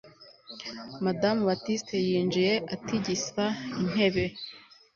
Madamu Baptiste yinjiye atigisa intebe